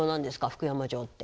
福山城って。